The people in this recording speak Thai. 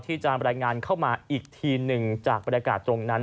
ที่จะรายงานเข้ามาอีกทีหนึ่งจากบรรยากาศตรงนั้น